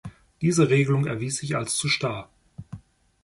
Diese Regelung erwies sich als zu starr.